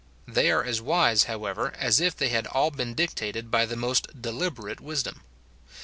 They are as wise, however, as if they had all been dictated by the most deliberate wisdom.